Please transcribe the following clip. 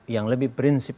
yang lebih prinsip